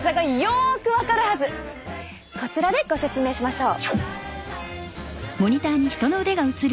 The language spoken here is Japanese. こちらでご説明しましょう。